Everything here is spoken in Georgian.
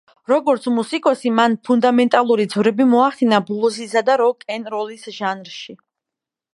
როგორც, მუსიკოსი მან ფუნდამენტალური ძვრები მოახდინა ბლუზისა და როკ-ენ-როლის ჟანრში.